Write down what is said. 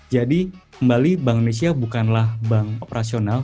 jadi kembali bank indonesia bukanlah bank operasional